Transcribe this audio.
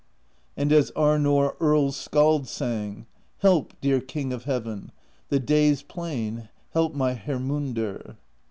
And as Arnorr Earls' Skald sang: Help, dear King of Heaven, The Day's Plain, help my Hermundr.